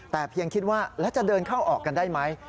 แต่เพียงคิดว่าแล้วจะเดินเข้าออกกันได้ไหม